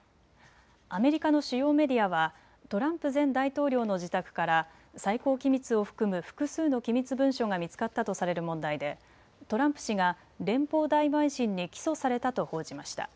アメリカの主要メディアはトランプ前大統領の自宅から最高機密を含む複数の機密文書が見つかったとされる問題でトランプ氏が連邦大陪審に起訴されたと報じました。